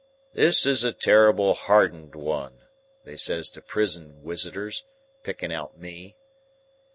'This is a terrible hardened one,' they says to prison wisitors, picking out me.